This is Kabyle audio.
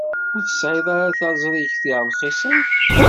Ur tesɛid ara taẓrigt rxisen?